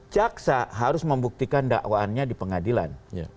jaksa harus membuktikan dakwaannya di pengadilan